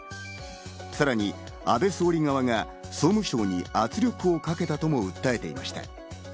さらに安倍総理側が総務省に圧力をかけたとも訴えていました。